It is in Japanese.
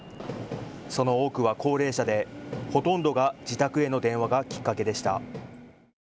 その多くは高齢者で、ほとんどが自宅への電話がきっかけでした。